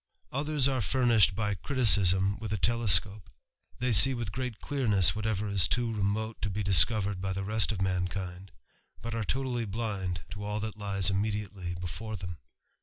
Others are furnished by criticism with a telescope * They see with great clearness whatever is too remote be discovered by the rest of mankind, but are totally blinc to all that lies immediately before them.